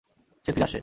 সে ফিরে আসছে।